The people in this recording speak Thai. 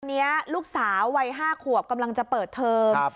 วันนี้ลูกสาววัย๕ขวบกำลังจะเปิดเทอม